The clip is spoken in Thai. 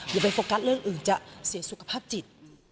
อย่าไปโฟกัสเรื่องอื่นจะเสียสุขภาพจิต